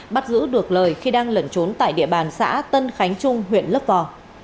bắt giữ được lời khi đang lẩn trốn tại địa bàn xã tân khánh trung huyện lấp vò